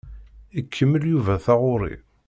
Ikemmel Yuba taɣuṛi.